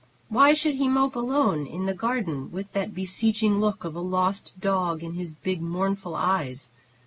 Why should he mope alone in the garden with that beseeching look of a lost dog in his big, mournful eyes?